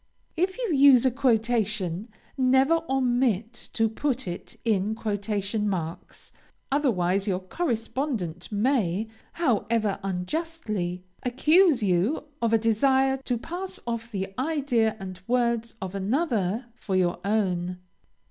If you use a quotation, never omit to put it in quotation marks, otherwise your correspondent may, however unjustly, accuse you of a desire to pass off the idea and words of another, for your own.